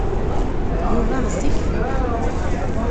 Yuba ɣezzif fell-i.